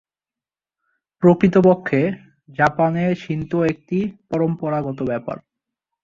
প্রকৃতপক্ষে, জাপানে শিন্তো একটি পরম্পরাগত ব্যাপার।